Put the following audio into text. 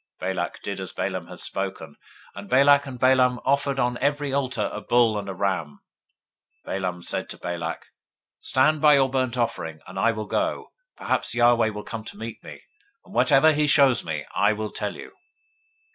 023:002 Balak did as Balaam had spoken; and Balak and Balaam offered on every altar a bull and a ram. 023:003 Balaam said to Balak, Stand by your burnt offering, and I will go: perhaps Yahweh will come to meet me; and whatever he shows me I will tell you.